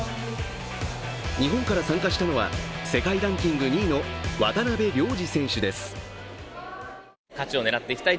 日本から参加したのは、世界ランキング２位の渡辺良治選手です。